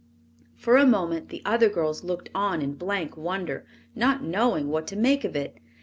For a moment the other girls looked on in blank wonder, not knowing what to make of it.